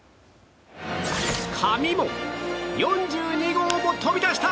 髪も、４２号も飛び出した！